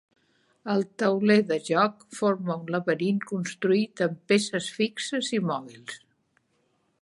El tauler de joc forma un laberint construït amb peces fixes i mòbils.